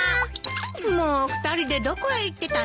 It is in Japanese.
もう２人でどこへ行ってたの？